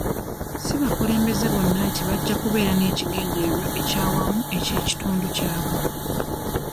Si bakulembeze bonna nti bajja kubeera n'ekigendererwa eky'awamu eky'ekitundu kyabwe.